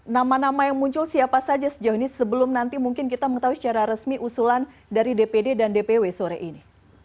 nama nama yang muncul siapa saja sejauh ini sebelum nanti mungkin kita mengetahui secara resmi usulan dari dpd dan dpw sore ini